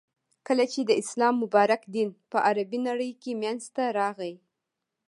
،کله چی د اسلام مبارک دین په عربی نړی کی منځته راغی.